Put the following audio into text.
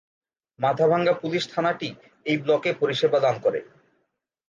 Mathabhanga police থানাটি এই ব্লকে পরিষেবা দান করে।